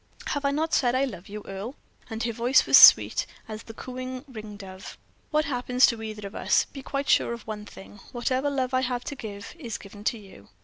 "Have I not said I love you Earle?" and her voice was sweet as the cooing ring dove. "Whatever happens to either of us, be quite sure of one thing whatever love I have to give is given to you."